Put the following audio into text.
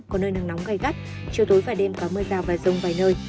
có nơi nắng nóng gai gắt chiều tối và đêm có mưa rào và rông vài nơi